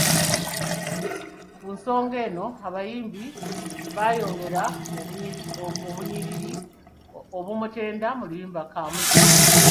Ku nsonga eno abayimbi baayongera obunnyiriri obumutenda mu luyimba Kaamuje.